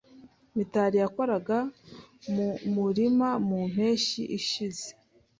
Mitari syakoraga mu murima mu mpeshyi ishize.